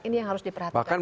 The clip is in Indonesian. ini yang harus diperhatikan